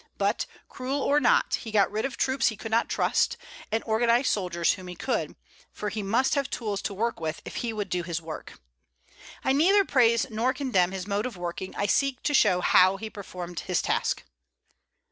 But, cruel or not, he got rid of troops he could not trust, and organized soldiers whom he could, for he must have tools to work with if he would do his work. I neither praise nor condemn his mode of working; I seek to show how he performed his task.